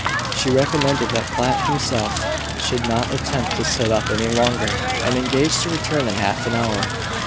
She recommended that Platt himself should not attempt to sit up any longer, and engaged to return in half an hour.